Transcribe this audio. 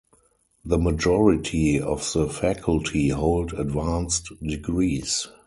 The majority of the faculty hold advanced degrees.